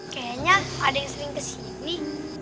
kayaknya ada yang sering kesini